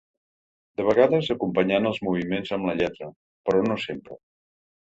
De vegades acompanyant els moviments amb la lletra, però no sempre.